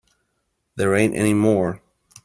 There ain't any more.